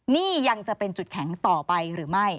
นี่ยังจะเป็นจุดแข็งต่อไปหรือไม่